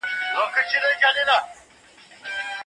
کمپيوټر د تجارت مرسته کوي.